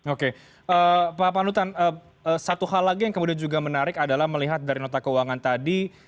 oke pak panutan satu hal lagi yang kemudian juga menarik adalah melihat dari nota keuangan tadi